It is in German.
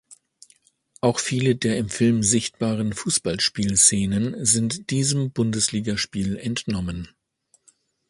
Auch viele der im Film sichtbaren Fußballspiel-Szenen sind diesem Bundesliga-Spiel entnommen.